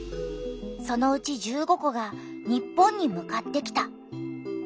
そのうち１５個が日本に向かってきた。